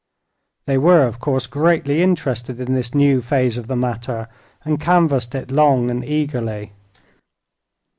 They were, of course, greatly interested in this new phase of the matter and canvassed it long and eagerly.